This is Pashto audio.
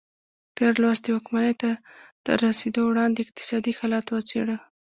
تېر لوست د واکمنۍ ته تر رسېدو وړاندې اقتصادي حالت وڅېړه.